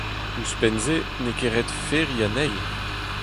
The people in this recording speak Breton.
Ouzhpenn-se n'eo ket ret feriñ anezhi.